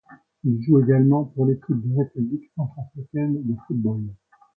Il joue également pour l'Équipe de République centrafricaine de football.